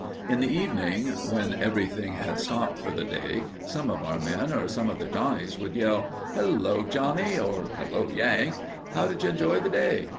In the evening when everything had stopped for the day, some of our men or some of the Johnnies would yell, "hello Johnnie" or "hello Yank" "how did you enjoy the day?"